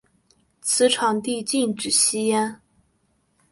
此场地禁止吸烟。